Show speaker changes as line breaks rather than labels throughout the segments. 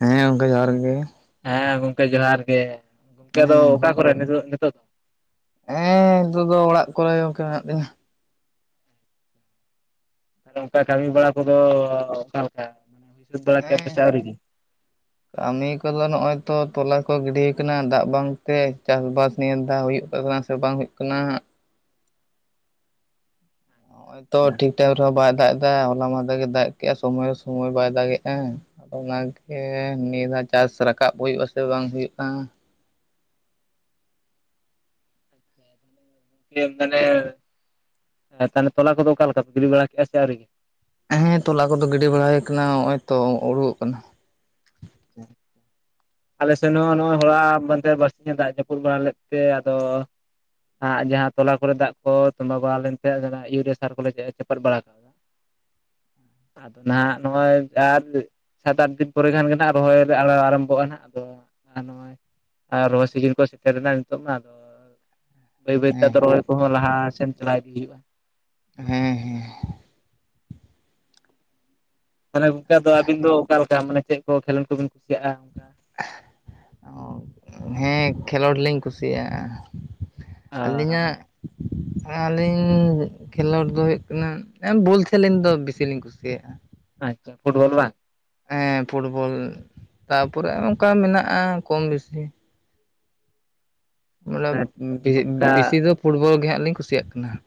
ᱦᱮᱸ ᱜᱚᱝᱠᱮ ᱡᱚᱦᱟᱨ ᱜᱮ
ᱦᱮᱸ ᱜᱚᱝᱠᱮ ᱡᱚᱦᱟᱨ ᱜᱮ, ᱜᱚᱝᱠᱮ ᱟᱫᱚ
ᱦᱮᱸ
ᱚᱠᱟ ᱠᱚᱨᱮ ᱱᱤᱛᱳᱜ-ᱱᱤᱛᱳᱜ?
ᱦᱮᱸ ᱱᱤᱛᱚᱜ ᱫᱚ ᱚᱲᱟᱜ ᱠᱚᱨᱮ ᱜᱚᱝᱠᱮ ᱢᱮᱱᱟᱜ ᱞᱤᱧᱟ᱾
ᱚᱱᱠᱟ ᱠᱟᱹᱢᱤ ᱵᱟᱲᱟ ᱠᱚᱫᱚ ᱚᱠᱟ ᱞᱮᱠᱟ? [unintelligible]
ᱦᱮᱸ
ᱯᱮᱥᱮ ᱟᱹᱣᱨᱤ ᱜᱤ᱾
ᱠᱟᱹᱢᱤ ᱠᱚᱫᱚ ᱱᱚᱜ-ᱚᱭ ᱛᱚ ᱛᱚᱞᱟ ᱠᱚ ᱜᱤᱰᱤ ᱠᱟᱱᱟ ᱫᱟᱜ ᱵᱟᱝᱛᱮ ᱪᱟᱥ-ᱵᱟᱥ ᱱᱤᱭᱮ ᱫᱷᱟᱣ ᱦᱩᱭᱩᱜ ᱠᱟᱱᱟ᱾ ᱥᱮ ᱵᱟᱝ ᱦᱩᱭᱩᱜ ᱠᱟᱱᱟ ᱦᱟᱸᱜᱼᱼ ᱱᱚᱜ-ᱚᱭ ᱛᱚ ᱴᱷᱤᱠ ᱴᱟᱭᱤᱢ ᱨᱮᱦᱚᱸ ᱵᱟᱭ ᱫᱟᱜ ᱮᱫᱟ ᱦᱚᱞᱟ ᱢᱟᱦᱫᱮᱨ ᱜᱮ ᱫᱟᱜ ᱠᱮᱜ-ᱟ ᱥᱚᱢᱚᱭ ᱦᱚᱸ ᱥᱚᱢᱚᱭ ᱵᱟᱭ ᱫᱟᱜ ᱜᱮᱜᱟ᱾ ᱚᱱᱟᱜᱮ ᱱᱤᱭᱟᱹ ᱫᱷᱟᱜ ᱪᱟᱥ ᱨᱟᱠᱟᱵ ᱦᱩᱭᱩᱜ-ᱟ ᱥᱮ ᱵᱟᱝ ᱦᱩᱭᱩᱜ-ᱟ!
[inaudible] [unintelligible] ᱢᱟᱱᱮ ᱛᱟᱦᱚᱞᱮ ᱛᱚᱞᱟ ᱠᱚᱫᱚ ᱚᱠᱟᱞᱮᱠᱟ ᱯᱮ ᱜᱤᱰᱤ ᱵᱟᱲᱟ ᱠᱮᱫᱟ ᱥᱮ ᱟᱣᱨᱤ?
ᱦᱮᱸ ᱛᱚᱞᱟ ᱠᱚᱫᱚ ᱜᱤᱰᱤ ᱵᱟᱲᱟ ᱦᱩᱭ ᱟᱠᱟᱱᱟ ᱦᱚᱦᱚᱭ ᱛᱚ ᱩᱰᱩᱠᱚᱜ ᱠᱟᱱᱟ᱾
ᱟᱪᱪᱷᱟ ᱟᱞᱮ ᱥᱮᱱ ᱦᱚᱸ ᱱᱚᱜ-ᱚᱭ ᱦᱚᱞᱟ ᱢᱟᱦᱫᱷᱮᱨ ᱵᱟᱨᱥᱤᱧ ᱮ ᱫᱟᱜ ᱡᱟᱹᱯᱩᱫ ᱵᱟᱲᱟ ᱞᱮᱫ ᱛᱮ ᱟᱫᱚᱻᱼᱼ ᱟᱜ ᱡᱟᱦᱟᱸ ᱛᱚᱞᱟ ᱠᱚᱞᱮ ᱫᱟᱜ ᱠᱚ ᱛᱚᱸᱵᱟ ᱵᱟᱞᱟ ᱞᱮᱱ ᱛᱟᱦᱮᱸᱫ ᱤᱭᱩᱨᱤᱭᱟ ᱥᱟᱨ ᱠᱚᱞᱮ ᱪᱟᱯᱟᱫ ᱵᱟᱲᱟᱼᱼ [unintelligible] ᱥᱟᱛ ᱟᱴ ᱫᱤᱱ ᱯᱚᱨᱮ ᱠᱷᱟᱱ ᱜᱮ ᱱᱷᱟᱜᱼᱼ ᱨᱚᱦᱚᱭ ᱨᱮ ᱟᱲᱟᱜ ᱟᱨᱟᱢᱵᱷᱚᱜ-ᱟ ᱱᱷᱟᱜ ᱟᱫᱚ ᱟᱨ ᱱᱚᱜ-ᱚᱭᱼᱼ ᱟᱨ ᱨᱚᱦᱚᱭ ᱥᱤᱡᱤᱱ ᱠᱚ ᱥᱮᱴᱮᱨ ᱮᱱᱟ ᱱᱤᱛᱚᱜ ᱢᱟ ᱟᱫᱚᱼᱼ ᱵᱟᱹᱭ ᱵᱟᱹᱭᱛᱮ
ᱦᱮᱸ
ᱟᱫᱚ ᱨᱚᱦᱚᱭ ᱠᱚᱦᱚᱸ ᱞᱟᱦᱟ ᱥᱮᱱ ᱪᱟᱞᱟᱣ ᱤᱫᱤ ᱦᱩᱭᱩᱜ-ᱟ᱾
ᱦᱮᱸ ᱦᱮᱸ ᱦᱮᱸ
ᱛᱟᱦᱞᱮ ᱜᱚᱝᱠᱮ ᱟᱫᱚ ᱟᱹᱵᱤᱱ ᱫᱚ ᱚᱠᱟ ᱞᱮᱠᱟ ᱢᱟᱱᱮ ᱪᱮᱫ ᱠᱚ ᱠᱷᱮᱞᱳᱰ ᱠᱚᱵᱤᱱ ᱠᱩᱥᱤᱭᱟᱜ-ᱟ?
ᱚ ᱦᱮᱸ ᱠᱷᱮᱞᱚᱸᱰ ᱞᱤᱧ ᱠᱩᱥᱤᱭᱟᱜ-ᱟ᱾ ᱟᱹᱞᱤᱧᱟᱜᱼᱼ ᱟᱹᱞᱤᱧ ᱠᱷᱮᱞᱳᱸᱰ ᱫᱚ ᱦᱩᱭᱩᱜ ᱠᱟᱱᱟ ᱵᱚᱞ ᱠᱷᱮᱞᱮᱧ ᱫᱚ ᱵᱤᱥᱤᱞᱤᱧ ᱠᱩᱥᱤᱭᱟᱜ-ᱟ᱾
ᱟᱪᱪᱷᱟ ᱯᱷᱩᱴᱵᱚᱞ ᱵᱟᱝ?
ᱦᱮᱸ ᱯᱷᱩᱴᱵᱚᱞ ᱛᱟᱯᱚᱨᱮ ᱚᱱᱠᱟ ᱢᱮᱱᱟᱜ-ᱟ ᱠᱚᱢ ᱵᱤᱥᱤ, ᱵᱚᱞᱮ
ᱢᱟᱱᱮ ᱚᱱᱠᱟ
ᱵᱮᱥᱤ ᱫᱚ ᱯᱷᱩᱴᱵᱚᱞ ᱜᱮ ᱦᱟᱸᱜ ᱞᱤᱧ ᱠᱩᱥᱤᱭᱟᱜ ᱠᱟᱱᱟ ᱦᱟᱸᱜ᱾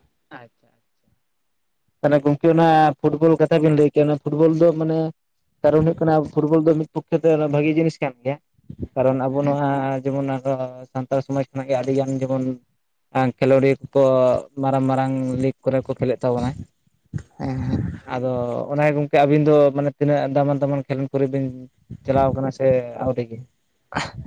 ᱛᱟᱦᱚᱞᱮ ᱜᱚᱝᱠᱮ ᱚᱱᱟ ᱯᱷᱩᱴᱵᱚᱞ ᱠᱟᱛᱷᱟ ᱵᱤᱱ ᱞᱟᱹᱭ ᱠᱮᱭᱟ, ᱚᱱᱟ ᱯᱷᱩᱴᱵᱚᱞ ᱫᱚ ᱢᱟᱱᱮᱼᱼ ᱠᱟᱨᱚᱱ ᱦᱩᱭᱩᱜ ᱠᱟᱱᱟ ᱯᱷᱩᱴᱵᱚᱞ ᱫᱚ ᱢᱤᱫ ᱯᱚᱠᱷᱮᱛᱮ ᱚᱱᱟ ᱵᱷᱟᱹᱜᱤ ᱡᱤᱱᱤᱥ ᱠᱟᱱ ᱜᱮᱭᱟ᱾ ᱠᱟᱨᱚᱱ ᱟᱵᱚ
ᱦᱮᱸ
ᱱᱚᱣᱟ ᱡᱮᱢᱚᱱ ᱟᱫᱚᱼᱼ ᱥᱟᱱᱛᱟᱲ ᱥᱚᱢᱟᱡᱽ ᱠᱷᱚᱱᱟᱜ ᱜᱮ ᱟᱹᱰᱤᱜᱟᱱ ᱡᱮᱢᱚᱱ ᱠᱷᱮᱞᱳᱰᱤᱭᱟᱹ ᱠᱚᱠᱚ ᱢᱟᱨᱟᱝ ᱢᱟᱨᱟᱝ ᱞᱤᱜᱽᱼᱼ ᱠᱚᱨᱮ ᱠᱚ ᱠᱷᱮᱞᱮᱜ ᱛᱟᱵᱚᱱᱟ,
ᱦᱮᱸ
ᱟᱫᱚ ᱚᱱᱟ ᱜᱚᱝᱠᱮ ᱟᱹᱵᱤᱱ ᱫᱚ ᱢᱟᱱᱮ ᱛᱤᱱᱟᱹᱜ ᱫᱟᱢᱟᱱ ᱫᱟᱢᱟᱱ ᱠᱷᱮᱞᱳᱱ ᱠᱚᱨᱮ ᱵᱤᱱ ᱪᱟᱞᱟᱣ ᱠᱟᱱᱟ ᱥᱮ ᱟᱹᱣᱨᱤ ᱜᱮ?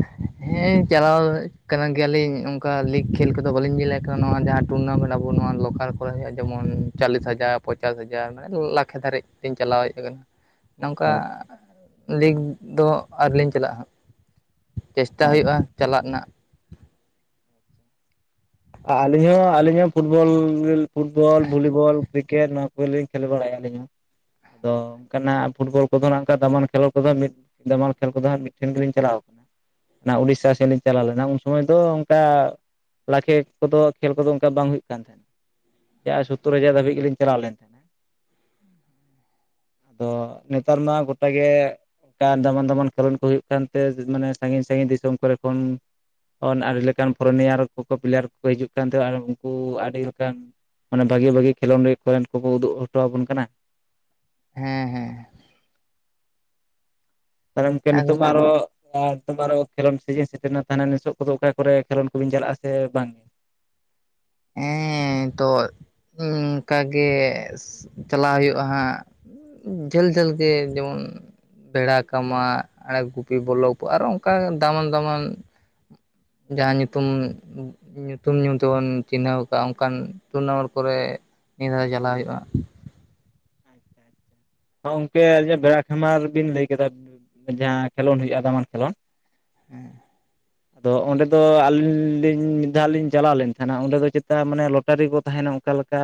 [inaudible] ᱦᱮᱸ ᱪᱟᱞᱟᱣ ᱠᱟᱱᱟ ᱜᱮᱭᱟᱞᱤᱧ ᱚᱱᱠᱟ ᱞᱤᱜᱽ ᱠᱷᱮᱞ ᱠᱚᱫᱚ ᱵᱟᱹᱞᱤᱧ ᱧᱮᱞᱮᱫ ᱠᱟᱱᱟ ᱱᱚᱣᱟ ᱡᱟᱦᱟᱸᱼᱼ ᱴᱩᱨᱱᱟᱢᱮᱱᱴ ᱟᱵᱚ ᱱᱚᱣᱟ ᱞᱳᱠᱟᱞ ᱠᱚᱨᱮ ᱦᱩᱭᱩᱜ-ᱟ ᱡᱮᱢᱚᱱ ᱪᱚᱞᱞᱤᱥ ᱦᱟᱡᱟᱨ ᱯᱚᱪᱟᱥ ᱦᱟᱡᱟᱨ ᱢᱟᱱᱮ ᱢᱤᱫ ᱞᱟᱠᱮ ᱫᱷᱟᱨᱤᱡ ᱤᱧ ᱪᱟᱞᱟᱣ ᱦᱮᱸᱡ ᱟᱠᱟᱱᱟ᱾
[inaudible]
ᱱᱚᱝᱠᱟ ᱞᱤᱜᱽ ᱫᱚ ᱟᱹᱣᱨᱤᱞᱤᱧ ᱪᱟᱞᱟᱜ-ᱟ ᱦᱟᱸᱜ᱾ ᱪᱮᱥᱴᱟ
ᱟᱪᱪᱷᱟ
ᱦᱩᱭᱩᱜ-ᱟ ᱪᱟᱞᱟᱜ ᱨᱮᱱᱟᱜ᱾
ᱟᱹᱞᱤᱧ ᱦᱚᱸ ᱟᱹᱞᱤᱧ ᱦᱚᱸ ᱯᱷᱩᱴᱵᱚᱞ ᱯᱷᱩᱴᱵᱚᱞ, ᱵᱷᱚᱞᱤᱵᱚᱞ, ᱠᱨᱤᱠᱮᱴ ᱱᱚᱣᱟ ᱠᱚᱜᱮᱞᱤᱧ ᱠᱷᱮᱞ ᱵᱟᱲᱟᱭᱟ ᱟᱹᱞᱤᱧ ᱦᱚᱸ᱾ ᱫᱚ ᱚᱱᱠᱟᱱᱟᱜ ᱯᱷᱩᱴᱵᱚᱞ ᱠᱚᱫᱚ ᱱᱟᱜ ᱚᱱᱠᱟ ᱫᱟᱢᱟᱱ ᱠᱷᱮᱞᱳᱸᱰ ᱠᱚᱫᱚ ᱢᱤᱫᱼᱼ ᱫᱟᱢᱟᱞ ᱠᱷᱮᱞ ᱠᱚᱫᱚ ᱦᱟᱸ ᱢᱤᱫᱷᱮᱱ ᱜᱮᱞᱤᱧ ᱪᱟᱞᱟᱣ ᱠᱟᱱᱟ᱾ ᱚᱱᱟ ᱩᱰᱤᱥᱥᱟ ᱥᱮᱫ ᱞᱤᱧ ᱪᱟᱞᱟᱣ ᱞᱮᱱᱟ ᱩᱱ ᱥᱚᱢᱚᱭ ᱫᱚ ᱚᱱᱠᱟ ᱞᱟᱠᱷᱮᱼᱼ ᱠᱚᱫᱚ ᱠᱷᱮᱞ ᱠᱚᱫᱚ ᱚᱱᱠᱟ ᱵᱟᱝ ᱦᱩᱭᱩᱜ ᱠᱟᱱ ᱛᱟᱦᱮᱱᱟ᱾ ᱡᱟᱸᱦᱟ ᱥᱳᱛᱳᱨ ᱦᱟᱡᱟᱨ ᱫᱷᱟᱹᱵᱤᱡ ᱜᱮᱞᱤᱧ ᱪᱟᱞᱟᱣ ᱞᱮᱱ ᱛᱚ ᱱᱮᱛᱟᱨ ᱢᱟ ᱜᱚᱴᱟ ᱜᱮ ᱟᱨ ᱫᱟᱢᱟᱱ ᱫᱟᱢᱟᱱ ᱠᱷᱮᱞᱳᱱᱰ ᱠᱚ ᱦᱩᱭᱩᱜ ᱛᱮ ᱢᱟᱱᱮ ᱥᱟᱺᱜᱤᱧ ᱥᱟᱺᱜᱤᱧ ᱫᱤᱥᱚᱢ ᱠᱚᱨᱮ ᱠᱷᱚᱱ ᱟᱹᱰᱤ ᱞᱮᱠᱟᱱ ᱯᱷᱚᱨᱚᱱᱤᱭᱟᱨ ᱠᱚ ᱠᱚ ᱯᱞᱮᱭᱟᱨ ᱠᱚ ᱠᱚ ᱦᱤᱡᱩᱜ ᱠᱟᱱ ᱛᱟᱦᱮᱸᱼᱟ ᱩᱱᱠᱩ ᱟᱹᱰᱤ ᱞᱮᱠᱟᱱ ᱢᱟᱱᱮ ᱵᱷᱟᱜᱤ ᱵᱷᱟᱜᱤ ᱠᱷᱮᱞᱳᱰ ᱠᱚᱨᱮᱱ ᱠᱚ ᱩᱫᱩᱜ ᱦᱚᱴᱚ ᱟᱵᱚᱱ ᱠᱟᱱᱟ᱾
ᱦᱮᱸ ᱦᱮᱸ
ᱟᱫᱚ ᱜᱚᱢᱠᱮ
ᱟᱨ
ᱱᱤᱛᱚᱜ ᱫᱚ ᱟᱨᱦᱚ ᱟᱨ [unintelligible] ᱠᱷᱮᱞᱳᱱ ᱥᱤᱡᱤᱱ ᱥᱮᱴᱮᱨᱱᱟ, ᱛᱟᱦᱮᱱᱟ ᱱᱤᱛᱳ ᱠᱚᱫᱚ ᱚᱠᱟ ᱠᱚᱨᱮ ᱠᱷᱮᱞᱳᱱ ᱠᱚᱵᱤᱱ ᱪᱟᱞᱟᱜᱼᱟ ᱥᱮ ᱵᱟᱝ ᱵᱟᱝ?
ᱦᱮᱸ ᱛᱚᱜ ᱤᱱᱠᱟᱜ ᱜᱮ ᱪᱟᱞᱟᱣ ᱦᱩᱭᱩᱜᱼᱟ ᱦᱟᱸᱜ ᱡᱷᱟᱹᱞ ᱡᱷᱟᱹᱞ ᱜᱮ ᱡᱮᱢᱚᱱ ᱵᱮᱲᱟ ᱠᱟᱢᱟ ᱟᱨ ᱜᱩᱯᱤ ᱵᱚᱞᱞᱚᱵ ᱟᱨᱚ ᱚᱱᱠᱟ ᱫᱟᱢᱟᱱ ᱫᱟᱢᱟᱱ ᱡᱟᱸᱦᱟᱸ ᱧᱩᱛᱩᱢ ᱧᱩᱛᱩᱢ ᱧᱩ ᱛᱮᱵᱚᱱ ᱪᱤᱱᱦᱟᱹᱣ ᱟᱠᱟᱫ ᱚᱱᱠᱟᱱ ᱴᱩᱨᱱᱟᱢᱴ ᱠᱚᱨᱮ ᱱᱤᱭᱟᱹ ᱫᱷᱟᱣ ᱪᱟᱞᱟᱣ ᱦᱩᱭᱩᱜᱼᱟ᱾
ᱦᱚᱸ ᱜᱚᱝᱠᱮ ᱟᱹᱞᱤᱟᱜ ᱵᱮᱲᱟ ᱠᱷᱟᱢᱟᱨ ᱵᱤᱱ ᱞᱟᱹᱭ ᱠᱮᱫᱟ᱾ ᱡᱟᱦᱟᱸ ᱠᱷᱮᱞᱳᱰ ᱦᱩᱭᱩᱜᱼᱟ ᱫᱟᱢᱟᱱ ᱠᱷᱮᱞᱳᱰ
[inaudible]
[inaudible] ᱟᱫᱚ ᱚᱸᱰᱮ ᱫᱚ ᱟᱹᱞᱤᱧ ᱞᱤᱧ ᱢᱤᱫ ᱫᱷᱟᱣ ᱞᱤᱧ ᱪᱟᱞᱟᱣ ᱞᱮᱱ ᱛᱟᱦᱮᱱᱟ ᱚᱸᱰᱮ ᱫᱚ ᱪᱮᱛᱟ ᱢᱟᱱᱮ ᱞᱚᱴᱟᱨᱤ ᱠᱚ ᱛᱟᱦᱮᱱᱟ᱾ ᱚᱠᱟ ᱞᱮᱠᱟ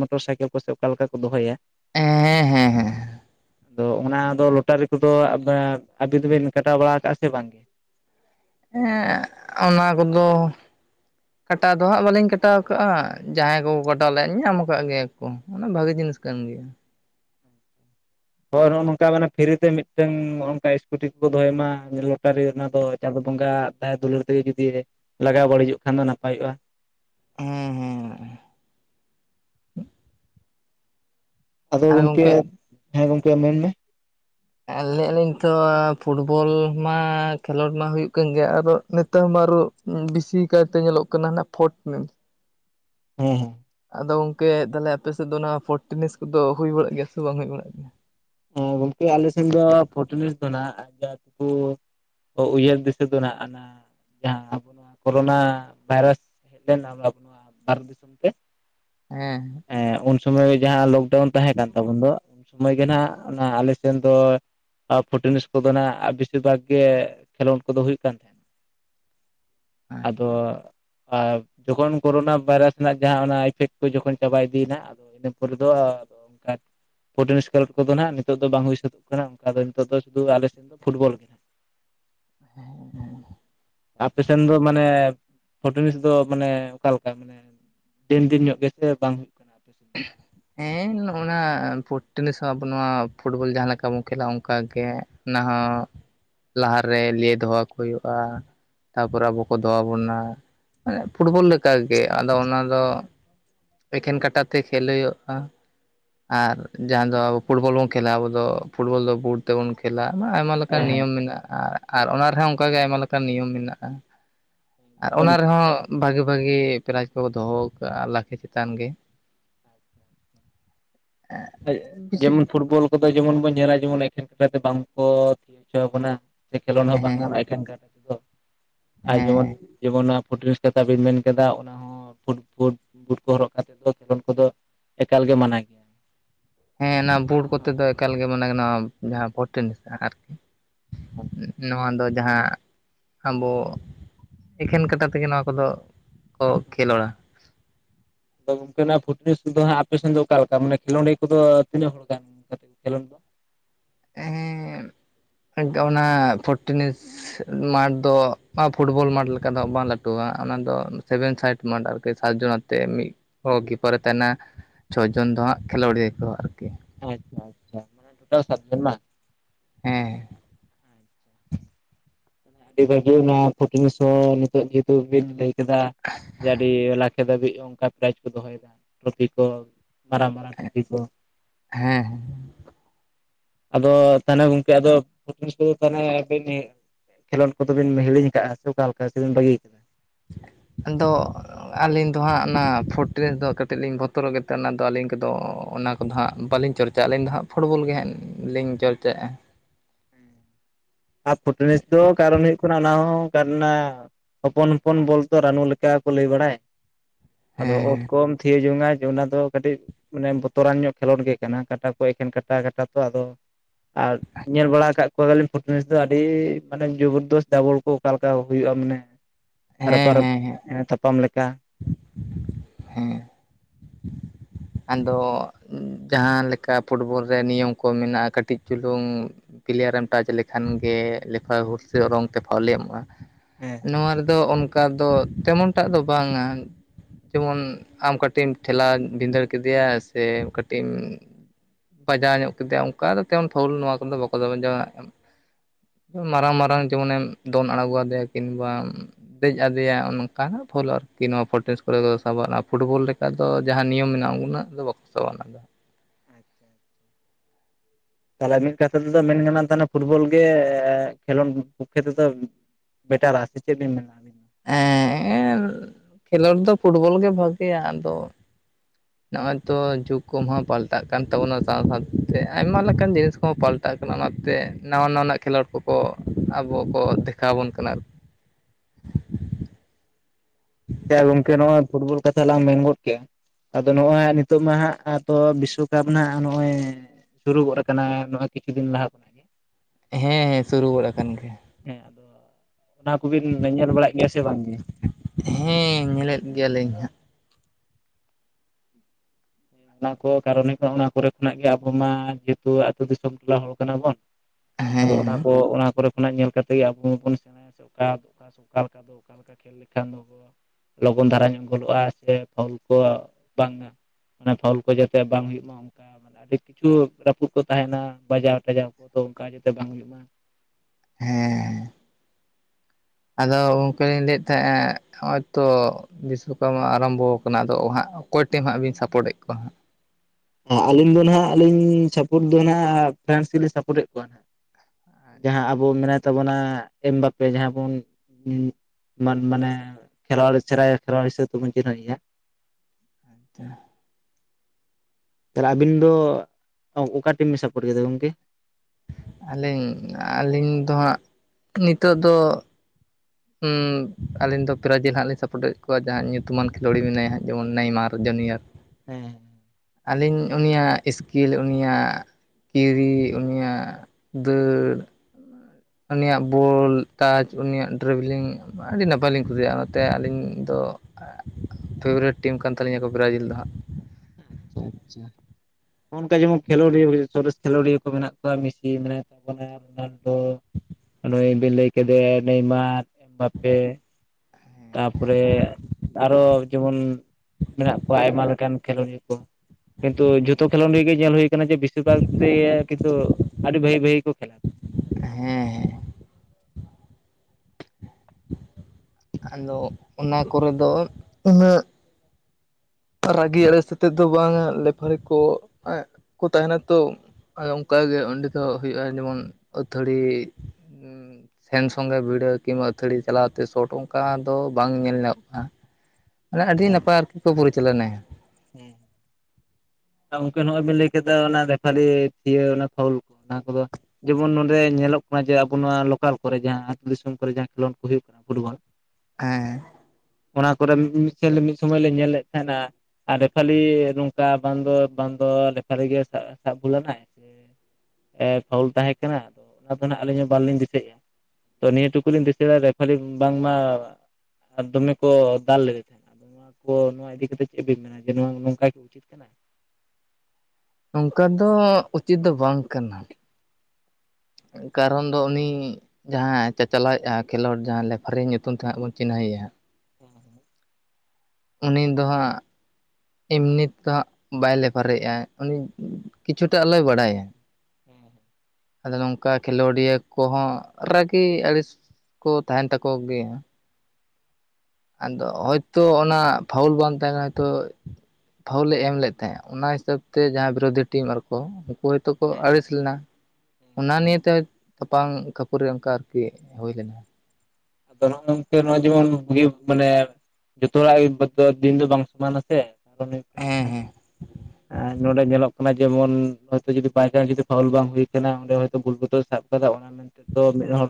ᱢᱚᱴᱚᱨ ᱥᱟᱭᱠᱮᱞ ᱠᱚ ᱥᱮ ᱚᱠᱟ ᱞᱮᱠᱟ ᱠᱚ ᱫᱚᱦᱚᱭᱟ᱾
ᱮ ᱦᱮᱸ ᱦᱮᱸ ᱦᱮᱸ᱾
ᱟᱫᱚ ᱚᱱᱟ ᱫᱚ ᱞᱚᱴᱟᱨᱤ ᱠᱚᱫᱚ ᱟᱹᱵᱤᱱ ᱫᱚᱵᱤᱱ ᱠᱟᱴᱟᱣ ᱵᱟᱲᱟ ᱟᱠᱟᱜᱼᱟ ᱥᱮ ᱵᱟᱝ?
ᱦᱮ ᱚᱱᱟ ᱠᱚᱫᱚ ᱠᱟᱴᱟᱣ ᱫᱚ ᱦᱟᱸᱜ ᱵᱟᱹᱞᱤᱧ ᱠᱟᱴᱟᱣ ᱟᱠᱟᱜᱼᱟ, ᱡᱟᱦᱟᱸᱭ ᱠᱚᱠᱚ ᱠᱚᱴᱟᱣ ᱞᱮᱫᱼᱟ ᱧᱟᱢ ᱟᱠᱟᱫ ᱜᱮᱭᱟ ᱠᱚ᱾ ᱠᱚ, ᱚᱱᱟ ᱵᱷᱟᱜᱤ ᱡᱤᱱᱤᱥ ᱠᱟᱱ ᱜᱮᱭᱟ᱾
ᱦᱳᱭ ᱱᱚᱜᱼᱚ ᱱᱚᱝᱠᱟ ᱢᱟᱱᱮ ᱯᱷᱤᱨᱤ ᱛᱮ ᱢᱤᱫᱴᱟ. ᱝ ᱱᱚᱝᱠᱟ ᱮᱥᱠᱩᱴᱤ ᱠᱚ ᱠᱚ ᱫᱚᱦᱚᱭ ᱢᱟ ᱞᱚᱴᱟᱨᱤ ᱚᱱᱟ ᱫᱚ ᱪᱟᱸᱫ ᱵᱚᱸᱜᱟ ᱫᱟᱭᱟ ᱫᱩᱞᱟᱹᱲ ᱛᱮᱜᱮ ᱡᱩᱫᱤ ᱞᱟᱜᱟᱣ ᱵᱟᱹᱲᱤᱡᱚᱜ ᱠᱷᱟᱱ ᱫᱚ ᱱᱟᱯᱟᱭᱚᱜᱼᱟ᱾
ᱦᱮᱸ ᱦᱮᱸ
ᱟᱫᱚ ᱜᱚᱢᱠᱮ, ᱦᱮᱸ ᱜᱚᱢᱠᱮ ᱢᱮᱱᱢᱮ
ᱞᱟᱹᱭ ᱟᱞᱤᱧ ᱛᱚ ᱯᱷᱩᱴᱵᱚᱞ ᱢᱟ ᱠᱷᱮᱞᱳᱰ ᱢᱟ ᱦᱩᱭᱩᱜ ᱠᱟᱱ ᱜᱮᱭᱟ ᱟᱨᱚ ᱱᱮᱛᱟᱨ ᱢᱟ ᱟᱨᱦᱚ ᱵᱮᱥᱤ ᱠᱟᱭᱛᱮ ᱧᱮᱞᱚᱜ ᱠᱟᱱᱟ ᱱᱟᱜ ᱯᱷᱳᱨᱴ ᱢᱮᱱ
ᱦᱮᱸ
ᱟᱫᱚ ᱜᱚᱝᱠᱮ ᱛᱟᱦᱚᱞᱮ ᱟᱯᱮ ᱥᱮᱫ ᱫᱚ ᱚᱱᱟ ᱯᱷᱚᱨᱴᱤᱱᱤᱥ ᱠᱚᱫᱚ ᱦᱩᱭ ᱵᱟᱲᱟᱜ ᱜᱮᱭᱟ ᱥᱮ ᱵᱟᱝ ᱦᱩᱭ ᱵᱟᱲᱟᱜ ᱜᱮᱭᱟ᱾
ᱦᱮ ᱜᱚᱝᱠᱮ ᱟᱞᱮ ᱥᱮᱱ ᱫᱚ ᱯᱳᱨᱴᱤᱱᱤᱥ ᱫᱚ ᱱᱟᱜ ᱡᱟᱨ ᱠᱩ ᱩᱭᱦᱟᱹᱨ ᱫᱤᱥᱟᱹ ᱫᱚ [unintelligible] ᱡᱟᱦᱟᱸ ᱟᱵᱚ ᱱᱚᱣᱟ ᱠᱳᱨᱳᱱᱟ ᱵᱷᱟᱭᱨᱟᱥ ᱦᱮᱡ ᱞᱮᱱᱟ ᱟᱵᱚ ᱱᱚᱣᱟ ᱵᱷᱟᱨᱚᱛ ᱫᱤᱥᱚᱢ ᱛᱮ
ᱦᱮᱸ
ᱦᱮᱸ ᱩᱱ ᱥᱩᱢᱚᱭ ᱡᱟᱦᱟᱸ ᱞᱚᱠᱰᱟᱣᱩᱱ ᱛᱟᱦᱮᱸ ᱠᱟᱱ ᱛᱟᱵᱚᱱ ᱫᱚ, ᱩᱱ ᱥᱩᱢᱚᱭ ᱜᱮ ᱱᱟᱜ ᱚᱱᱟ ᱟᱞᱮ ᱟᱯᱮ ᱥᱮᱱ ᱫᱚ ᱯᱷᱩᱴᱱᱤᱥ ᱠᱚᱫᱚ ᱱᱟᱜ ᱵᱮᱥᱤᱨ ᱵᱷᱟᱜᱽ ᱜᱮ ᱠᱷᱮᱞᱳᱰ ᱠᱚᱫᱚ ᱦᱩᱭᱩᱜ ᱠᱟᱱ ᱛᱟᱦᱮᱱᱟ᱾ [inaudible] ᱟᱫᱚ ᱡᱚᱠᱷᱚᱱ ᱠᱳᱨᱳᱱᱟ ᱵᱷᱟᱭᱨᱟᱥ ᱨᱮᱱᱟᱜ ᱡᱟᱦᱟᱸ ᱚᱱᱟ ᱤᱯᱷᱮᱠᱴ ᱠᱚ ᱡᱚᱠᱷᱚᱡ ᱪᱟᱵᱟᱟᱭ ᱤᱫᱤᱭᱮᱱᱟ ᱟᱫᱚ ᱤᱱᱟᱹ ᱯᱚᱨᱮ ᱫᱚ ᱟᱫᱚ ᱚᱱᱠᱟ ᱯᱷᱩᱴᱤᱱᱤᱥ ᱠᱷᱮᱞᱚᱰ ᱠᱚᱫᱚ ᱱᱟᱦᱟᱜ ᱱᱤᱛᱚᱜ ᱫᱚ ᱵᱟᱝ ᱦᱩᱭ ᱥᱟᱹᱛᱟᱹᱜ ᱠᱟᱱᱟ ᱚᱱᱠᱟ ᱫᱚ, ᱱᱤᱛᱚᱜ ᱥᱩᱫᱩ ᱟᱞᱮᱥᱮᱫ ᱫᱚ ᱯᱷᱩᱴᱵᱚᱞ ᱜᱮ ᱱᱟᱦᱟᱜ। ᱟᱯ ᱥᱮᱱ ᱫᱚ ᱢᱟᱱᱮ ᱯᱷᱳᱴᱮᱱᱤᱥ ᱫᱚ ᱢᱟᱱᱮ ᱚᱠᱟᱞᱮᱠᱟ ᱢᱟᱱᱮ ᱫᱤᱱ ᱫᱤᱱ ᱧᱚᱜ ᱜᱮᱥᱮ ᱵᱟᱝ ᱠᱟᱱᱟ ᱟᱯᱮ ᱥᱮᱱ ᱫᱚ?
[inaudible] ᱦᱮᱸ ᱱᱚᱜ ᱱᱟ ᱯᱤᱱᱤᱥ ᱦᱚᱸ ᱟᱵᱚ ᱱᱚᱣᱟ ᱯᱷᱩᱴᱵᱚᱞ ᱡᱟᱦᱟᱸ ᱞᱮᱠᱟ ᱵᱚᱱ ᱠᱷᱮᱞᱟ ᱚᱱᱠᱟᱜ ᱜᱮ। ᱚᱱᱟᱦᱚᱸ ᱞᱟᱦᱟᱨᱮ ᱞᱟᱹᱭ ᱫᱚᱦᱚ ᱠᱚ ᱦᱩᱭᱩᱜᱼᱟ। ᱛᱟᱯᱚᱨᱮ ᱟᱵᱚ ᱠᱚ ᱫᱚᱦᱚᱵᱚᱱᱟ ᱢᱟᱱᱮ ᱯᱷᱩᱴᱵᱚᱞ ᱞᱮᱠᱟᱜᱮ ᱟᱫᱚ ᱚᱱᱟ ᱫᱚ। ᱮᱠᱷᱮᱱ ᱠᱟᱴᱟ ᱛᱮ ᱠᱷᱮᱞ ᱦᱩᱭᱩᱜᱼᱟ। ᱟᱨ ᱡᱟᱦᱟᱸ ᱫᱚ ᱟᱵᱚ ᱯᱷᱩᱴᱵᱚᱞ ᱵᱚᱱ ᱠᱷᱮᱞᱟ ᱟᱵᱚ ᱫᱚ ᱯᱷᱩᱴᱵᱚᱞ ᱫᱚ ᱵᱩᱴ ᱛᱮᱵᱚᱱ ᱠᱷᱮᱞᱟ ᱟᱭᱢᱟ ᱞᱮᱠᱟᱱ
ᱦᱮᱸ ᱦᱮᱸ
ᱱᱤᱭᱚᱢ ᱢᱮᱱᱟᱜᱼᱟ᱾ ᱟᱨ ᱚᱱᱟ ᱨᱮᱦᱚᱸ ᱚᱱᱠᱟᱜᱮ ᱟᱭᱢᱟ ᱞᱮᱠᱟᱱ ᱱᱤᱭᱚᱢ ᱢᱮᱱᱟᱜᱼᱟ᱾ ᱟᱨ
ᱡᱮᱢᱚᱱ
ᱚᱱᱟ ᱨᱮᱦᱚᱸ। ᱵᱷᱟᱜᱤ ᱵᱷᱟᱜᱤ ᱯᱮᱨᱟᱡᱽ ᱠᱚᱼᱠᱚ ᱫᱚᱦᱚ ᱠᱟᱜᱼᱟ᱾ ᱞᱟᱠᱷᱮ ᱪᱮᱛᱟᱱ ᱜᱮ। ᱵᱮᱥᱤ
ᱡᱮᱢᱚᱱ ᱯᱷᱩᱴᱵᱚᱞ ᱠᱚᱫᱚ ᱡᱮᱢᱚᱱ ᱵᱚᱱ ᱧᱮᱞᱟ ᱡᱮᱢᱚᱱ ᱮᱠᱷᱮᱱ ᱠᱟᱛᱷᱟ ᱛᱮ ᱵᱟᱝ ᱠᱚ ᱠᱷᱮᱞ ᱦᱚᱪᱚ ᱵᱚᱱᱟ। ᱥᱮ ᱠᱷᱮᱞᱳᱰ ᱦᱚᱸ ᱵᱟᱝ
ᱦᱮᱸ
ᱜᱟᱱᱚᱜᱼᱟ ᱛᱮᱫᱚ ᱟᱨ ᱡᱮᱢᱚᱱ
ᱦᱮᱸ
ᱡᱮᱢᱚᱱ ᱯᱷᱩᱴᱱᱮᱥ। ᱠᱟᱛᱷᱟ ᱵᱤᱱ ᱢᱮᱱ ᱠᱮᱫᱫᱟ ᱚᱱᱟ ᱦᱚᱸ ᱯᱩᱴ ᱯᱩᱴ ᱵᱩᱴ ᱠᱚ ᱦᱟᱚᱨᱚᱜ ᱠᱟᱛᱮ ᱫᱚ ᱮᱠᱟᱞ ᱜᱮ ᱢᱟᱱᱟ ᱜᱮᱭᱟ।
ᱦᱮᱸ ᱚᱱᱟ ᱵᱩᱞ ᱠᱚᱛᱮ ᱫᱚ ᱮᱠᱟᱞ ᱜᱮ ᱢᱟᱱᱮ ᱱᱚᱣᱟ ᱡᱟᱦᱟᱸ ᱵᱷᱴᱥᱟᱜ ᱟᱨᱠᱤ। ᱱᱚᱣᱟ ᱫᱚ ᱡᱟᱦᱟᱸ। ᱟᱵᱚ ᱮᱠᱷᱮᱱ ᱠᱟᱴᱷᱟ ᱛᱮᱜᱮ ᱱᱚᱣᱟ ᱠᱚᱫᱚ ᱠᱚ ᱠᱷᱮᱞᱳᱲᱟ।
ᱟᱫᱚ ᱜᱚᱝᱠᱮᱱᱟᱜ ᱯᱷᱩᱴᱱᱤ ᱫᱚ ᱦᱟᱸᱜ ᱟᱯᱮ ᱥᱮᱱ ᱫᱚ ᱚᱠᱟ ᱞᱮᱠᱟ ᱢᱟᱱᱮ ᱠᱷᱮᱞᱳᱰᱤᱭᱟᱹ ᱠᱚᱫᱚ ᱛᱤᱱᱟᱹᱜ ᱦᱚᱲ ᱠᱟᱱ ᱠᱷᱮᱞᱳᱰ ᱫᱚ?
ᱦᱮᱸ
[unintelligible]
ᱚᱱᱟ ᱯᱷᱳᱨᱴᱤᱱ। ᱢᱟᱴᱷ ᱫᱚ ᱯᱷᱩᱴᱵᱚᱞ ᱢᱟᱴᱷ ᱞᱮᱠᱟ ᱫᱚ ᱵᱟᱝ ᱞᱟᱹᱴᱩᱣ ᱼᱟ᱾ ᱚᱱᱟ ᱫᱚ ᱥᱮᱵᱷᱮᱱ ᱥᱟᱭᱤᱴ ᱢᱟᱴᱷ ᱟᱨᱠᱤ ᱥᱟᱛ ᱡᱚᱱ ᱛᱮ ᱢᱤᱫ ᱠᱤᱯᱟᱨᱮ ᱛᱟᱦᱮᱱᱟ ᱪᱷᱚ ᱡᱚᱱ ᱫᱚ ᱦᱟᱸᱜ ᱠᱷᱮᱞᱳᱰᱤᱭᱟᱹ ᱠᱚ ᱟᱨᱠᱤ।
ᱟᱪᱪᱷᱟ ᱟᱪᱪᱷᱟ ᱢᱟᱱᱮ ᱴᱳᱴᱟᱞ ᱥᱟᱛᱡᱚᱱ ᱵᱟᱝ।
ᱦᱮᱸ
ᱟᱪᱪᱷᱟ ᱟᱹᱰᱤ ᱵᱷᱟᱹᱜᱤ ᱚᱱᱟ ᱠᱚᱫᱚ ᱥᱚ ᱱᱤᱛ ᱡᱮᱦᱛ ᱵᱤᱱ ᱞᱟᱹᱭ। ᱠᱮᱫᱟ ᱡᱮ ᱟᱹᱰᱤ ᱞᱟᱠᱷᱮ ᱫᱷᱟᱹᱵᱤᱡ ᱚᱱᱠᱟ ᱯᱨᱟᱭᱤᱡ ᱠᱚ ᱫᱚᱦᱚᱭᱮᱫᱟ ᱠᱚ ᱢᱟᱨᱟᱝ ᱢᱟᱨᱟᱝ ᱴᱚᱯᱤ ᱠᱚ।
ᱦᱮᱸ
ᱟᱫᱚ ᱛᱟᱦᱚᱞᱮ ᱜᱚᱝᱠᱮ ᱟᱫᱚ ᱛᱟᱦᱚᱞᱮᱵᱤᱱ [unintelligible] ᱠᱷᱮᱞᱳᱰ ᱠᱚᱫᱚ ᱵᱤᱱ ᱤᱲᱤᱧ ᱟᱠᱟᱟᱜᱼᱟ ᱥᱮ ᱚᱠᱟ ᱞᱮᱠᱟ ᱥᱮᱵᱤᱱ ᱵᱟᱹᱜᱤᱭᱟ ᱟᱠᱟᱫᱟ?
ᱟᱫᱚ। ᱟᱹᱞᱤᱧ ᱫᱚ ᱦᱟᱸᱜ ᱚᱱᱟ ᱯᱷᱨᱴᱤᱱᱫᱚ ᱠᱟᱹᱴᱤᱡ ᱞᱤᱧ ᱵᱚᱛᱚᱨᱚᱜ ᱜᱮᱛ ᱚᱱᱟᱫᱚ ᱟᱹᱞᱤᱧ ᱠᱚᱫᱚ ᱚᱱᱟ। ᱫᱚ ᱦᱟᱸᱜ ᱵᱟᱹᱞᱤᱧ ᱪᱚᱨᱪᱟᱜᱼᱟ ᱟᱹᱞᱤᱧᱫᱚ ᱦᱟᱸᱜ ᱯᱷᱩᱴᱵᱚᱞ ᱜᱮ ᱦᱟᱜ ᱞᱤᱧ ᱪᱚᱨᱪᱟᱜᱼᱟ।
ᱦ ᱟᱨ ᱯᱷᱴᱤᱱᱤᱥ ᱫᱚ ᱠᱟᱨᱚᱱ ᱦᱩᱭᱩᱜ ᱠᱟᱱᱟ ᱚᱱᱟ ᱦᱚᱸ ᱠᱟᱨ [unintelligible] ᱦᱚᱯᱚᱱ ᱦᱚᱯᱚᱱ ᱵᱚᱞ ᱛᱚ ᱨᱟᱱᱩ ᱞᱮᱠᱟ ᱠᱚ ᱞᱟᱹᱭ ᱵᱟᱲᱟᱭ। ᱟᱫᱚ
ᱦᱮᱸ
ᱚᱛ ᱠᱚᱢ ᱛᱷᱤᱭᱟᱹ ᱡᱚᱝᱟ ᱚᱱᱟ ᱫᱚ। ᱠᱟᱹᱴᱤᱡ ᱢᱟᱱᱮ ᱵᱚᱛᱚᱨᱟᱱ ᱧᱚᱜ ᱠᱷᱮᱞᱳᱰ ᱜᱮ ᱠᱟᱱᱟ ᱠᱟᱴᱟ ᱠᱚ ᱮᱠᱷᱮᱱ ᱠᱟᱴᱟ ᱠᱟᱴᱟ ᱛᱚ ᱟᱫᱚ᱾ ᱟᱨ ᱧᱮᱞ ᱵᱟᱲᱟ ᱟᱠᱟᱫ ᱠᱚᱣᱟᱫᱟᱞᱤᱧ ᱯᱷᱩᱴᱱᱮᱥ ᱫᱚ ᱟᱹᱰᱤ ᱢᱟᱱᱮ ᱡᱚᱵᱚᱨᱫᱚᱥ ᱰᱟᱵᱚᱞ ᱠᱚ ᱚᱠᱟᱞᱠᱟ ᱦᱩᱭᱩᱜᱼᱟ ᱢᱟᱱᱮ।
ᱦᱮᱸ
ᱨᱚᱯᱟ ᱨᱟᱯ
ᱦᱮᱸ ᱦᱮᱸ
ᱮᱸ ᱛᱟᱯᱟᱢ ᱞᱮᱠᱟ।
ᱦᱮᱸ ᱟᱫᱚ ᱡᱟᱦᱟᱸᱞᱮ ᱞᱮᱠᱟ ᱯᱷᱩᱴᱵᱚᱞ ᱨᱮ ᱱᱤᱭᱚᱢ ᱠᱚ ᱢᱮᱱᱟᱜᱼᱟ ᱠᱟᱹᱴᱤᱡ ᱪᱩᱞᱩᱝ। ᱯᱞᱮᱭᱟᱨᱮᱢ ᱴᱟᱪ ᱞᱮᱠᱷᱟᱱ ᱜᱮ ᱞᱮᱠᱟ ᱦᱩᱨᱥᱟᱹ ᱞ ᱨᱚᱝ ᱛᱮ ᱯᱷᱟᱣᱞ ᱞᱮ ᱮᱢᱚᱜᱼᱟ।
ᱦᱮᱸ
ᱱᱚᱣᱟ ᱨᱮᱫᱚ ᱚᱱ ᱚᱱᱠᱟᱟᱨ ᱫᱚ ᱛᱮᱢᱚᱱᱴᱟᱜ ᱫᱚ ᱵᱟᱝᱟ ᱡᱮᱢᱚᱱ ᱟᱢ ᱠᱟᱹᱴᱤᱡ ᱮᱢ ᱴᱷᱮᱞᱟ ᱵᱷᱸᱤᱫᱟᱹᱲ। ᱠᱮᱫᱮᱭᱟ ᱥᱮ ᱠᱟᱹᱴᱤᱡ ᱮᱢ। ᱵᱟᱡᱟᱣ ᱧᱚᱜ ᱠᱮᱫᱮᱭᱟ ᱚᱱᱠᱟ ᱫᱚ ᱛᱮᱚᱱ ᱯᱷᱷᱟᱣᱩᱞ ᱱᱚᱣᱟ ᱠᱚᱫᱚ ᱵᱟᱠᱚᱟ [unintelligible] ᱢᱟᱨᱟᱝ ᱢᱟᱨᱟᱝ ᱡᱮᱢᱚᱱᱮᱢ ᱫᱚᱱ ᱟᱬᱜᱚᱣᱟᱫᱮᱭᱟ ᱠᱤᱢᱵᱟ। ᱫᱮᱡ ᱟᱫᱮᱭᱟ ᱚᱱᱠᱟᱱᱟᱜ ᱯᱷᱚᱞ ᱟᱨᱠᱤ ᱱᱚᱣᱟ ᱯᱷᱩᱴᱱᱮᱥ ᱠᱚᱨᱮ ᱫᱚ ᱥᱟᱵᱼᱟ ᱯᱷᱩᱴᱵᱚᱞ ᱞᱮᱠᱟ ᱫᱚ ᱡᱟᱦᱟᱸ ᱱᱤᱭᱚᱢ ᱢᱮᱱᱟᱜᱼᱟ। ᱩᱱᱟᱹᱜ ᱫᱚ ᱵᱟᱠᱚ ᱥᱟᱵᱟᱱᱫᱟ᱾
[unintelligible] ᱛᱟᱦᱞᱮ ᱢᱤᱫ ᱠᱟᱛᱷᱟ ᱛᱮᱫᱚ ᱢᱮᱱ ᱜᱟᱱ ᱛᱟᱦᱮ ᱯᱷᱩᱴᱵᱚᱞ ᱜᱮ ᱠᱷᱮᱞᱳᱰ ᱯᱚᱠᱠᱷᱮ ᱛᱮᱫᱚᱼᱼ ᱵᱮᱴᱟᱨᱟᱜ ᱥᱮ ᱪᱮᱫ ᱵᱤᱱ ᱢᱮᱱᱟᱜᱼᱟ?
ᱦᱮᱸ ᱠᱷᱮᱞᱳᱰ ᱫᱚ ᱯᱷᱩᱴᱵᱚᱞ ᱜᱮ ᱵᱷᱟᱹᱜᱤᱭᱟ ᱟᱫᱚᱼᱼ ᱱᱚᱜᱚᱭ ᱛᱚ ᱡᱩᱜᱽ ᱠᱚᱦᱚᱸ ᱯᱟᱞᱴᱟᱜ ᱠᱟᱱ ᱛᱟᱵᱚᱱᱟ ᱥᱟᱶ ᱥᱟᱶᱛᱮ ᱟᱭᱢᱟ ᱞᱮᱠᱟᱱ ᱡᱤᱱᱤᱥ ᱠᱚᱦᱚᱸ ᱯᱟᱞᱴᱟᱜᱼᱼ ᱢᱮᱛᱟᱜ ᱠᱟᱱᱟ ᱚᱱᱟᱛᱮ ᱱᱟᱣᱟ ᱱᱟᱣᱟ ᱱᱟᱜ ᱠᱷᱮᱞᱳᱰ ᱠᱚᱠᱚ ᱟᱵᱚ ᱠᱚ ᱫᱮᱠᱷᱟᱣ ᱵᱚᱱ ᱠᱟᱱᱟ ᱟᱨᱠᱤᱼᱼ
ᱪᱮ ᱜᱚᱝᱠᱮ ᱱᱚᱣᱟ ᱯᱷᱩᱴᱵᱚᱞ ᱠᱟᱛᱷᱟ ᱞᱟᱝ ᱢᱮᱱ ᱜᱚᱫ ᱠᱮᱜ-ᱟ᱾ ᱟᱫᱚ ᱱᱚᱜᱼᱚᱭ ᱱᱤᱛᱚᱜ ᱢᱟ ᱦᱟᱜ ᱛᱚ ᱵᱤᱥᱥᱚᱠᱟᱯ ᱱᱟᱜ ᱱᱚᱜᱚᱭᱼᱼ ᱥᱩᱨᱩᱜ ᱜᱚᱫ ᱟᱠᱟᱱᱟ ᱱᱚᱣᱟ ᱠᱤᱪᱷᱩ ᱫᱤᱱ ᱞᱟᱦᱟ ᱠᱷᱚᱱᱟᱜᱼᱼ
ᱦᱮᱸ ᱦᱮᱸ ᱥᱩᱨᱩ ᱜᱚᱫ ᱟᱠᱟᱱ ᱜᱮᱭᱟ᱾
ᱦᱮᱸ ᱟᱫᱚ ᱦᱩᱸ ᱱᱚᱣᱟ ᱠᱚᱜᱮᱵᱤᱱ ᱧᱮᱧᱮᱞ ᱵᱟᱲᱟᱜ ᱜᱮᱭᱟ ᱥᱮ ᱵᱟᱝ ᱜᱮ᱾
ᱦᱮᱸ ᱧᱮᱞᱮᱫ ᱜᱮᱭᱟᱞᱤᱧ ᱦᱟᱸᱜ
ᱚᱱᱟ ᱠᱚ ᱠᱟᱨᱚᱱ ᱦᱩᱭᱩᱜ ᱚᱱᱟ ᱠᱚᱨᱮ ᱠᱷᱚᱱᱟᱜ ᱜᱮ ᱟᱵᱚ ᱢᱟ ᱡᱮᱦᱮᱛᱩ ᱟᱹᱛᱩ ᱫᱤᱥᱚᱢ ᱴᱚᱞᱟ ᱦᱚᱲ ᱠᱟᱱᱟ ᱵᱚᱱ᱾
ᱦᱟᱸᱜ
ᱟᱫᱚ ᱚᱱᱟ
ᱦᱮᱸ
ᱠᱚ ᱚᱱᱟ ᱠᱚᱨᱮᱼᱼ ᱚᱱᱟ ᱧᱮᱞ ᱠᱟᱛᱮ ᱜᱮ ᱟᱵᱚᱵᱚᱱ [inaudible] ᱥᱮᱬᱟᱭᱟ ᱥᱮ ᱚᱠᱟ ᱚᱠᱟ ᱚᱠᱟ ᱞᱮᱠᱟ ᱫᱚ ᱚᱠᱟᱼᱼ ᱠᱷᱮᱞ ᱞᱮᱠᱷᱟᱱ ᱫᱚ ᱞᱚᱜᱚᱱ ᱫᱷᱟᱨᱟ ᱧᱚᱜ ᱜᱚᱞᱚᱜᱼᱟ ᱥᱮ ᱯᱷᱚᱞ ᱠᱚ ᱵᱟᱝᱟ ᱚᱱᱟ ᱯᱷᱚᱟᱣᱩᱞ ᱠᱚ ᱡᱟᱛᱮ ᱵᱟᱝ ᱦᱩᱭᱩᱜ ᱢᱟ [unintelligible] ᱟᱹᱰᱤ ᱠᱤᱪᱷᱩ ᱨᱟᱹᱯᱩᱫ ᱠᱚ ᱛᱟᱦᱮᱱᱟ ᱵᱟᱡᱟᱣ ᱴᱟᱡᱟᱣ ᱠᱚ ᱫᱚ ᱚᱱᱠᱟ ᱡᱟᱛᱮ ᱵᱟᱝ ᱦᱩᱭᱩᱜ ᱢᱟ᱾
ᱦᱮᱸ ᱾ ᱟᱫᱚ ᱜᱚᱝᱠᱮ ᱞᱤᱧ ᱞᱟᱹᱭᱮᱫ ᱛᱟᱦᱮᱸᱜᱼᱟ ᱦᱚᱹᱜᱼᱚᱭ ᱛᱚ ᱵᱤᱥᱥᱚᱠᱚᱨᱢᱟ ᱟᱨᱟᱢᱵᱚᱣ ᱠᱟᱱᱟ ᱟᱫᱚ ᱦᱟᱸᱜᱼᱼ ᱚᱠᱚᱭ ᱴᱤᱢ ᱦᱟᱸᱜ ᱵᱤᱱ ᱥᱟᱯᱚᱴᱮᱫ ᱠᱚᱣᱟ ᱦᱟᱸᱜ?
ᱮ ᱟᱞᱤᱧ ᱫᱚ ᱱᱟᱜ ᱟᱹᱞᱤᱧ ᱥᱟᱯᱳᱨᱴ ᱫᱚ ᱱᱟᱜ ᱯᱷᱨᱟᱱᱥ ᱜᱮᱞᱤᱧ ᱥᱟᱯᱚᱨᱴᱮᱫ ᱠᱚᱣᱟ᱾ ᱡᱟᱦᱟᱸ ᱟᱵᱚ ᱢᱮᱱᱟᱭ ᱛᱟᱵᱚᱱᱟ ᱮᱢ ᱵᱟᱯᱮ ᱡᱟᱦᱟᱸ ᱵᱚᱱᱼᱼ ᱢᱟᱱ ᱢᱟᱱᱮ ᱠᱷᱮᱞᱣᱟᱲ ᱥᱮᱨᱟ ᱠᱷᱮᱞᱣᱟᱲ ᱦᱤᱸᱥᱟᱹᱵ ᱛᱮᱵᱚᱱ ᱪᱤᱱᱦᱟᱹᱣ ᱮᱭᱟ᱾
ᱦᱮᱸ
ᱛᱟᱦᱚᱞᱮ ᱟᱵᱤᱱ ᱫᱚ ᱚᱠᱟ ᱴᱤᱢ ᱵᱤᱱ ᱥᱟᱯᱳᱨᱴ ᱠᱮᱫᱟ ᱜᱚᱝᱠᱮ?
ᱟᱹᱞᱤᱧ ᱟᱹᱞᱤᱧ ᱫᱚ ᱦᱟᱸᱜ ᱱᱤᱛᱳᱜ ᱫᱚᱼᱼ ᱩᱸᱻ ᱟᱹᱞᱤᱧ ᱫᱚ ᱵᱨᱡᱤᱞ ᱦᱟᱸᱜ ᱞᱤᱧ ᱥᱟᱯᱳᱨᱴᱮᱫ ᱠᱚᱣᱟ ᱡᱟᱦᱟᱸ ᱧᱩᱛᱩᱢᱟᱱ ᱠᱷᱮᱞᱳᱲᱤ ᱢᱮᱱᱟᱭᱟ ᱦᱟᱸᱜ ᱡᱮᱢᱚᱱ ᱱᱮᱭᱢᱟᱨ ᱡᱩᱱᱤᱭᱟᱨ᱾
ᱦᱮᱸ ᱾
ᱟᱹᱞᱤᱧ ᱩᱱᱤᱭᱟᱜ ᱥᱠᱤᱞ ᱩᱱᱤᱭᱟᱜᱼᱼ ᱠᱤᱨᱤ ᱩᱱᱤᱭᱟᱜ ᱫᱟᱹᱲ᱾ ᱩᱱᱤᱭᱟᱜ ᱵᱚᱞ ᱴᱟᱪ ᱩᱱᱤᱭᱟᱜ ᱰᱨᱟᱵᱷᱮᱞᱤᱝ ᱟᱹᱰᱤ ᱱᱟᱯᱟᱭ ᱞᱤᱧ ᱠᱩᱥᱤᱭᱟᱜᱼᱟ ᱚᱱᱟᱛᱮ ᱟᱞᱤᱧ ᱫᱚᱼᱼ ᱯᱷᱮᱵᱟᱨᱮᱴ ᱴᱤᱢ ᱠᱟᱱ ᱛᱟᱞᱤᱧᱟ ᱠᱚ ᱵᱨᱟᱡᱤᱞ ᱫᱚ ᱦᱟᱸᱜ᱾
ᱟᱪᱪᱷᱟ ᱚᱱᱠᱟ ᱡᱮᱢᱚᱱ ᱠᱷᱮᱞᱳᱰᱤᱭᱟᱹ ᱥᱚᱨᱮᱥ ᱠᱷᱮᱞᱳᱰᱤᱭᱟᱹ ᱠᱚ ᱢᱮᱱᱟᱜ ᱠᱚᱣᱟ ᱢᱤᱥᱤ ᱢᱮᱱᱟᱭᱟ ᱛᱚᱼᱼ ᱨᱳᱱᱟᱞᱰᱳ ᱱᱩᱭ ᱵᱤᱱ ᱞᱟᱹᱭ ᱠᱮᱫᱮᱭᱟ ᱱᱮᱭᱢᱟᱨ ᱵᱟᱯᱮ
[inaudible]
ᱛᱟᱯᱚᱨᱮ ᱟᱨᱚ ᱡᱮᱢᱚᱱ ᱢᱮᱱᱟᱜ ᱠᱚᱣᱟ ᱟᱭᱢᱟ ᱞᱮᱠᱟᱱ ᱠᱷᱮᱞᱳ ᱰᱤᱭᱟᱹ ᱠᱚ᱾ ᱠᱤᱱᱛᱩ ᱡᱷᱚᱛᱚ ᱠᱷᱮᱞᱳ ᱰᱤᱭᱟᱹ ᱜᱮ ᱧᱮᱞ ᱦᱩᱭ ᱠᱟᱱᱟ ᱡᱮ ᱵᱤᱥᱤᱨ ᱵᱷᱟᱜᱽ ᱛᱮᱜᱮ ᱠᱤᱱᱛᱩ ᱟᱹᱰᱤ ᱵᱷᱟᱹᱜᱤ ᱵᱷᱟᱹᱜᱤ ᱠᱚ ᱠᱷᱮᱞᱟ᱾
ᱦᱮᱸ ᱦᱮᱸ᱾ ᱟᱫᱚ ᱚᱱᱟ ᱠᱚᱨᱮ ᱫᱚ ᱩᱱᱟᱹᱜ᱾ ᱨᱟᱹᱜᱤ ᱟᱹᱲᱤᱥ ᱠᱟᱛᱮᱫ ᱫᱚ ᱵᱟᱝᱟ ᱞᱮᱯᱷᱟᱨᱤ ᱠᱚ ᱟᱸᱜ ᱛᱟᱦᱮᱱᱟ ᱛᱚ᱾ ᱟᱫᱚ ᱚᱱᱠᱟᱟᱜ ᱜᱮ ᱚᱸᱰᱮ ᱫᱚ ᱦᱳᱭᱳᱜᱼᱟ ᱡᱮᱢᱚᱱ ᱟᱹᱛᱷᱟᱹᱲᱤ ᱥᱮᱱ ᱥᱚᱸᱜᱮ ᱵᱷᱤᱲᱟᱹᱣ ᱠᱤᱢᱵᱟ ᱟᱹᱛᱷᱟᱹᱲᱤ ᱪᱟᱞᱟᱣᱛᱮ ᱥᱚᱴ ᱚᱱᱠᱟ ᱫᱚ ᱵᱟᱝ ᱧᱮᱞ ᱧᱟᱢᱚᱜ ᱠᱟᱱᱟ ᱾ ᱢᱟᱱᱮ ᱟᱹᱰᱤ ᱱᱟᱯᱟᱭ ᱟᱨᱠᱤ ᱠᱚ ᱯᱚᱨᱤᱪᱟᱞᱚᱱᱟᱭᱟ ᱾
ᱦᱩᱸ ᱩᱱᱠᱤᱱ ᱦᱚᱸᱜ-ᱚᱭ ᱵᱤᱱ ᱞᱟᱹᱭ ᱠᱮᱫᱟ ᱚᱱᱟ ᱞᱮᱯᱷᱟᱨᱤ ᱛᱷᱤᱭᱟᱹ ᱚᱱᱟ ᱯᱷᱟᱣᱩᱞ ᱠᱟᱱᱟ ᱚᱱᱟ ᱠᱚᱫᱚ᱾ ᱡᱮᱢᱚᱱ ᱱᱚᱰᱮ ᱧᱮᱞᱚᱜ ᱠᱟᱱᱟ ᱡᱮ ᱟᱵᱚ ᱱᱚᱣᱟ ᱞᱳᱠᱟᱞ ᱠᱚᱨᱮ ᱡᱟᱦᱟᱸ ᱟᱹᱛᱩ ᱫᱤᱥᱚᱢ ᱠᱚᱨᱮ ᱡᱟᱦᱟᱸ ᱠᱷᱮᱞᱳᱰ ᱠᱚ ᱦᱩᱭᱩᱜ ᱠᱟᱱᱟ ᱾ ᱯᱷᱩᱴᱵᱚᱞ,
ᱦᱮᱸᱻ
ᱚᱱᱟ ᱠᱚᱨᱮ ᱢᱤᱫᱥᱮᱞᱮ ᱢᱤᱫ ᱥᱚᱢᱚᱭ ᱞᱮ ᱧᱮᱞᱮᱫ ᱛᱟᱦᱮᱱᱟ ᱟᱨᱮ ᱨᱮᱯᱷᱟᱹᱞᱤ ᱱᱚᱝᱠᱟᱼᱼ ᱵᱟᱝ ᱫᱚ ᱵᱟᱝ ᱫᱚ ᱞᱮᱯᱷᱟᱨᱤᱜᱮ ᱥᱟᱵ ᱵᱷᱚᱞᱚᱱᱟᱭ ᱮ ᱯᱷᱟᱣᱩᱞ ᱛᱟᱦᱮᱸ ᱠᱟᱱᱟ ᱟᱫᱚ ᱚᱱᱟ ᱫᱚ ᱱᱟᱜ ᱟᱹᱞᱤᱧ ᱦᱚᱸ ᱵᱟᱞᱤᱧ ᱫᱤᱥᱟᱹᱭᱮᱫ-ᱟ᱾ ᱛᱚ ᱱᱤᱭᱟᱹ ᱴᱩᱠᱩ ᱞᱤᱧ ᱫᱤᱥᱟᱹᱭᱟ ᱨᱮᱯᱷᱟᱨᱤ ᱵᱟᱝᱢᱟᱼᱼ ᱟᱨ ᱫᱚᱢᱮ ᱠᱚ ᱫᱟᱞ ᱞᱮᱫᱮᱼᱼ ᱱᱚᱣᱟ ᱠᱚ ᱱᱚᱣᱟ ᱤᱫᱤᱠᱟ ᱠᱟᱛᱮ ᱪᱮᱫ ᱵᱤᱱ ᱢᱮᱱᱟ ᱡᱮ ᱱᱚᱣᱟ ᱱᱚᱝᱠᱟ ᱜᱮ ᱩᱪᱤᱛ ᱠᱟᱱᱟ,
ᱚᱝᱠᱟ ᱫᱚ ᱩᱪᱤᱛ ᱫᱚ ᱵᱟᱝ ᱠᱟᱱᱟ, ᱠᱟᱨᱚᱱ ᱫᱚ ᱩᱱᱤᱼᱼ ᱡᱟᱦᱟᱸ ᱪᱟᱪᱟᱞᱟᱣᱮᱫᱼᱟ ᱠᱷᱮᱞᱳᱰ ᱡᱟᱦᱟᱸ ᱞᱮᱯᱷᱟᱨᱤ ᱧᱩᱛᱩᱢ ᱛᱮᱦᱟᱸᱵᱚᱱ ᱪᱤᱱᱦᱟᱹᱭᱮᱭᱟ,
ᱦᱮᱸ
ᱩᱱᱤ ᱫᱚ ᱦᱟᱸᱜᱼᱼ ᱮᱢᱱᱤ ᱛᱮ ᱛᱚ ᱦᱟᱜ ᱵᱟᱭ ᱞᱮᱯᱷᱟᱨᱤᱮᱜ-ᱟ ᱩᱱᱤ ᱠᱤᱪᱷᱩᱴᱟᱜ ᱦᱳᱞᱳᱭ ᱵᱟᱰᱟᱭᱟ᱾
ᱦᱮᱸ
ᱟᱫᱚ ᱱᱚᱝᱠᱟ ᱠᱷᱮᱞᱳᱰᱤᱭᱟᱹ ᱠᱚᱦᱚᱸ ᱨᱟᱹᱜᱤ ᱟᱹᱲᱤᱥᱼᱼ ᱠᱚ ᱛᱟᱦᱮᱱ ᱛᱟᱠᱚ ᱜᱮᱭᱟ᱾ ᱟᱫᱚ ᱦᱚᱭᱛᱳ ᱚᱱᱟ ᱯᱷᱟᱣᱩᱞ ᱵᱟᱝ ᱛᱟᱦᱮᱸ ᱠᱟᱱᱟ ᱦᱳᱭᱛᱚ, ᱯᱷᱟᱣᱩᱞᱮ ᱮᱢ ᱞᱮᱫ ᱛᱟᱦᱮᱸᱫ-ᱟ ᱚᱱᱟ ᱦᱤᱥᱟᱹᱵ ᱛᱮ ᱡᱟᱦᱟᱸ ᱵᱤᱨᱳᱫᱷᱤ ᱴᱤᱢ ᱟᱨᱠᱚᱼᱼ ᱦᱚᱭᱛᱳᱠᱚ
ᱦᱮᱸ
ᱟᱹᱲᱤᱥ ᱞᱮᱱᱟ ᱚᱱᱟ ᱱᱤᱭᱟᱹᱛᱮᱼᱼ ᱛᱟᱯᱟᱝ ᱠᱷᱟᱹᱯᱟᱹᱨᱤᱭᱟᱹ ᱚᱱᱠᱟ ᱟᱨᱠᱤ ᱦᱩᱭ ᱞᱮᱱᱟ᱾
ᱛᱟᱢᱟᱢ ᱜᱚᱝᱠᱮ ᱱᱚᱣᱟ ᱡᱮᱢᱚᱱ ᱦᱩᱭᱩᱜ ᱢᱟᱱᱮᱼᱼ ᱡᱚᱛᱚ ᱦᱚᱲᱟᱜ ᱜᱮ ᱫᱤᱱ ᱫᱚ ᱵᱟᱝ ᱥᱚᱢᱟᱱᱟᱥᱮ ᱠᱟᱨᱚᱱ ᱦᱩᱭᱩᱜ ᱠᱟᱱᱟᱼᱼ
ᱦᱮᱸ ᱦᱮᱸ
ᱱᱚᱸᱰᱮ ᱧᱮᱞᱚᱜ ᱠᱟᱱᱟ ᱡᱮᱢᱚᱱ ᱦᱚᱭᱛᱚ ᱡᱩᱫᱤ ᱵᱟᱸᱪᱟᱱᱥ ᱡᱩᱫᱤ ᱯᱷᱟᱣᱩᱞ ᱵᱟᱝ ᱦᱩᱭ ᱟᱠᱟᱱᱟ ᱚᱸᱰᱮ ᱦᱚᱭ ᱜᱩᱞ ᱵᱚᱴᱚᱞ ᱥᱟᱵ ᱠᱟᱫᱟ ᱚᱱᱟ ᱢᱮᱱᱛᱮᱼᱼ ᱱᱤᱛᱚᱜ ᱫᱚ ᱢᱤᱫ ᱦᱚᱲ